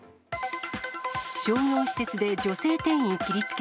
商業施設で女性店員切りつけ。